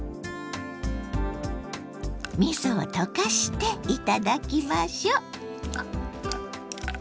みそを溶かして頂きましょう！